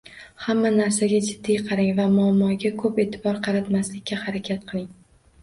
Hamma narsaga jiddiy qarang va muammoga ko'p e'tibor qaratmaslikka harakat qiling